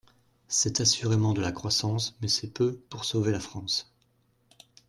C’est assurément de la croissance, mais c’est peu pour sauver la France.